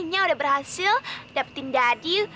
nya udah berhasil dapetin dadi